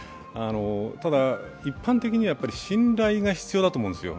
ただ、一般的には信頼が必要だと思うんですよ。